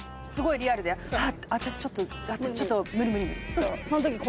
すごいリアルで「私ちょっとちょっと無理無理無理」。